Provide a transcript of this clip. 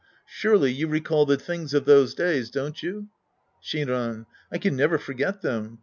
Surely you recall the things of those days, don't you ? Shinran. I can never forget them.